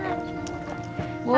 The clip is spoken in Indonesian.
aku mau bu